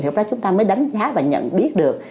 thì lúc đó chúng ta mới đánh giá và nhận biết được